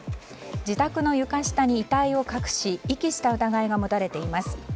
自宅の床下に遺体を隠し遺棄した疑いが持たれています。